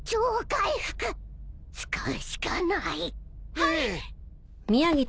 はい！